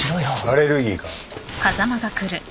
・アレルギーか？